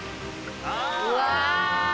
うわ！